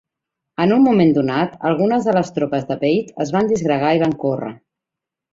En un moment donat, algunes de les tropes de Bate es van disgregar i van córrer.